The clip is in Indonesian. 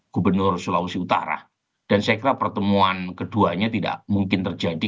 gubernur sulawesi utara dan saya kira pertemuan keduanya tidak mungkin terjadi